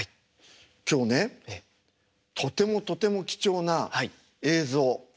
今日ねとてもとても貴重な映像。